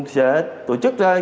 sẽ tổ chức ra